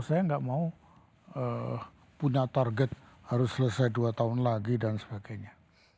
saya nggak mau punya target harus selesai dua tahun lagi dan sebagainya